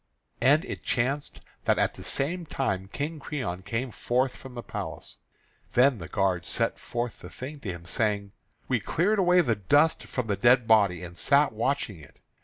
And it chanced that at the same time King Creon came forth from the palace. Then the guard set forth the thing to him, saying: "We cleared away the dust from the dead body, and sat watching it.